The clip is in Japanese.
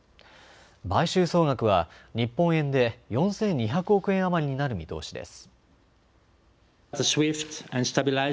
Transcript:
買収総額は日本円で４２００億円余りになる見通しです。